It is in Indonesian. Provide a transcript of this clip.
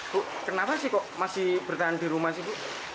bu kenapa sih kok masih bertahan di rumah sih bu